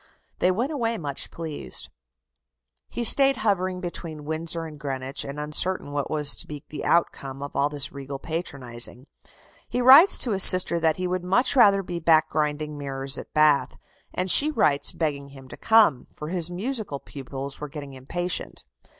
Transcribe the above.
They went away much pleased. He stayed hovering between Windsor and Greenwich, and uncertain what was to be the outcome of all this regal patronizing. He writes to his sister that he would much rather be back grinding mirrors at Bath. And she writes begging him to come, for his musical pupils were getting impatient.